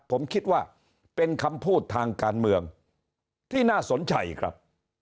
ผมคิดว่าเป็นคำพูดทางการเมืองที่น่าสนใจครับ